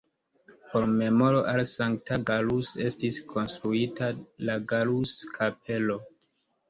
Por memoro al Sankta Gallus estis konstruita la Gallus-Kapelo.